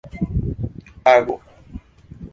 ago